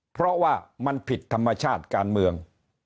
เพราะว่ามันผิดธรรมชาติการเมือง